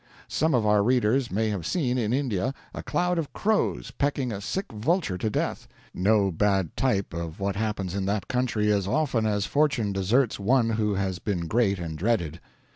Some of our readers may have seen, in India, a cloud of crows pecking a sick vulture to death no bad type of what happens in that country as often as fortune deserts one who has been great and dreaded.